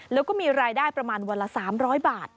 แล้วก็มีรายได้ประมาณวันละ๓๐๐บาท